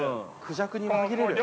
クジャクに紛れる。